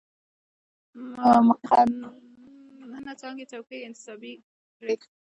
مقننه څانګې څوکۍ یې انتصابي کړې.